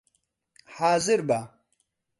حازر بە!